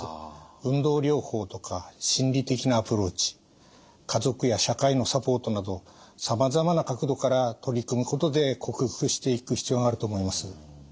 運動療法とか心理的なアプローチ家族や社会のサポートなどさまざまな角度から取り組むことで克服していく必要があると思います。